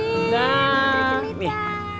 terima kasih nita